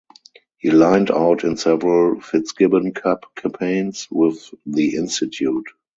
He lined out in several Fitzgibbon Cup campaigns with the institute.